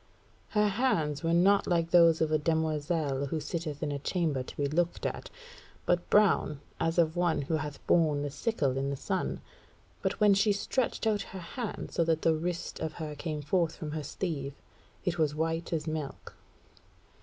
Her hands were not like those of a demoiselle who sitteth in a chamber to be looked at, but brown as of one who hath borne the sickle in the sun. But when she stretched out her hand so that the wrist of her came forth from her sleeve it was as white as milk."